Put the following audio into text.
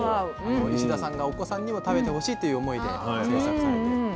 石田さんがお子さんにも食べてほしいという思いで創作されて。